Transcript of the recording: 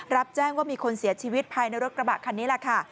รับแจ้งว่ามีคนเสียชีวิตภายในรถกระบะคันนี้แหละค่ะ